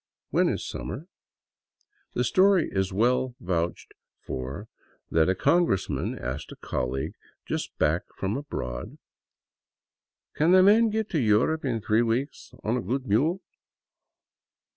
"When is summer?" The story is well vouched for that a congressman asked a colleague just back from abroad, " Can a man get to Europe in three weeks on a good mule